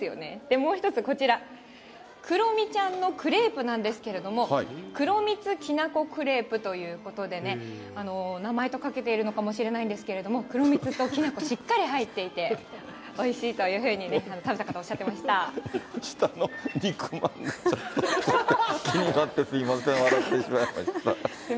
もう一つ、こちら、クロミちゃんのクレープなんですけれども、黒みつきなこクレープということでね、名前とかけているのかもしれないんですけれども、黒蜜ときな粉、しっかり入っていて、おいしいというふうに、食べた方、下の肉まん、ちょっと気になってすみません、笑ってしまいました。